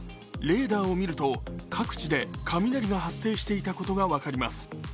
レーダーを見ると各地で雷が発生していたことが分かります。